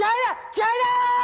気合いだ！